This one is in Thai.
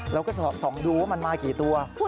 เราก็ส่องดูว่ามันมากี่ตัว